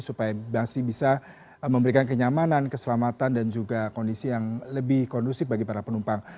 supaya masih bisa memberikan kenyamanan keselamatan dan juga kondisi yang lebih kondusif bagi para penumpang